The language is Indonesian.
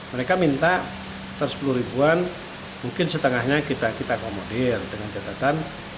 mereka minta sepuluh ribuan mungkin setengahnya kita komodir dengan catatan